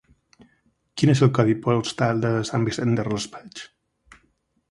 Quin és el codi postal de Sant Vicent del Raspeig?